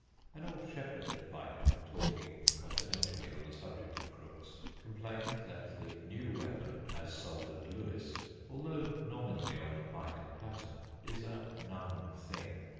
An old shepherd at Pyecombe, talking confidentially on the subject of crooks, complained that the new weapon as sold at Lewes, although nominally on the Pyecombe pattern, is a "numb thing."